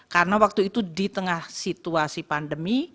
karena waktu itu di tengah situasi pandemi